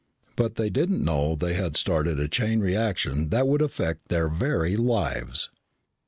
But they didn't know they had started a chain reaction that would affect their very lives.